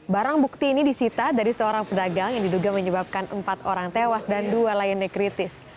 barang bukti ini disita dari seorang pedagang yang diduga menyebabkan empat orang tewas dan dua lainnya kritis